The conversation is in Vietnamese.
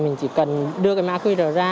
mình chỉ cần đưa cái mã qr ra